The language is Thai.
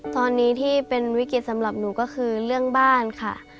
ตอนนี้ที่เป็นวิกฤตสำหรับหนูก็คือเรื่องบ้านค่ะ